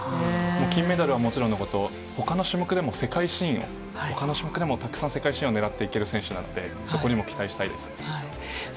金メダルはもちろんのこと、ほかの種目でも世界新をほかの種目でもたくさん世界新をねらっていける選手なので、そこにも期待したいです。